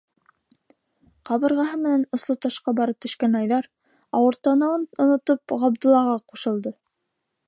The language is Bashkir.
Ҡабырғаһы менән осло ташҡа барып төшкән Айҙар, ауыртыныуын онотоп, Ғабдуллаға ҡушылды: